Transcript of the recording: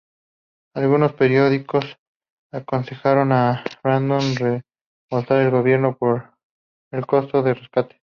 Algunos periódicos aconsejaron a Branson reembolsar al gobierno por el costo de rescate.